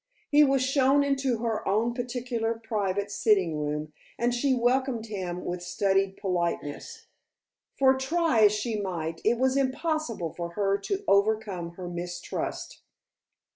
He was shown into her own particular private sitting room, and she welcomed him with studied politeness, for try as she might it was impossible for her to overcome her mistrust.